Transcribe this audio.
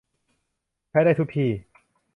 ใช้ได้ทุกที่